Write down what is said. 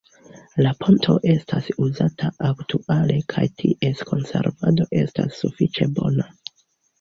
La ponto estas uzata aktuale kaj ties konservado estas sufiĉe bona.